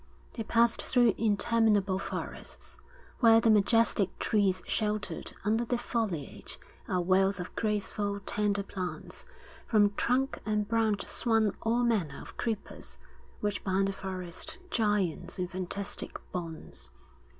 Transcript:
They passed through interminable forests, where the majestic trees sheltered under their foliage a wealth of graceful, tender plants: from trunk and branch swung all manner of creepers, which bound the forest giants in fantastic bonds.